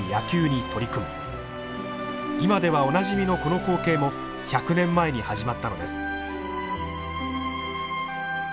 今ではおなじみのこの光景も１００年前に始まったのです。